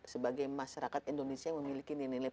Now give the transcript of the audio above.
sebagai masyarakat indonesia yang memiliki nilai nilai